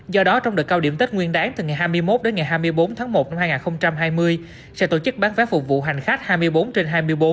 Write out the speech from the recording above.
do đó trong đợt cao điểm tết nguyên đáng từ ngày hai mươi một đến ngày hai mươi bốn tháng một năm hai nghìn hai mươi sẽ tổ chức bán vé phục vụ hành khách hai mươi bốn trên hai mươi bốn